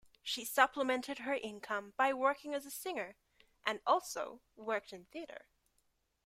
She supplemented her income by working as a singer, and also worked in theatre.